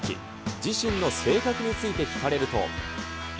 自身の性格について聞かれると。